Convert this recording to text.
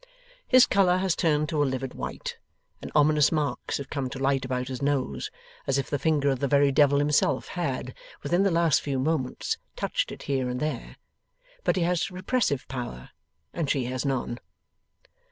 His colour has turned to a livid white, and ominous marks have come to light about his nose, as if the finger of the very devil himself had, within the last few moments, touched it here and there. But he has repressive power, and she has none.